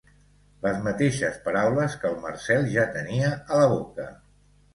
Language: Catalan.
Les mateixes paraules que el Marcel ja tenia a la boca.